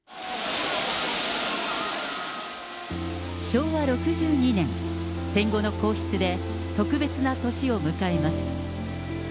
昭和６２年、戦後の皇室で特別な年を迎えます。